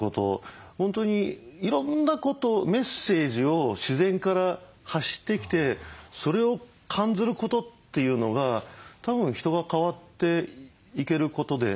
本当にいろんなことをメッセージを自然から発してきてそれを感ずることっていうのがたぶん人が変わっていけることであったりすると思うんですね。